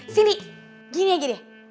sini gini aja deh